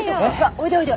おいでおいで。